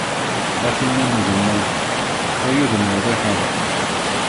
A tinn-a n ugemmaḍ, ay udem n uḍiḥan.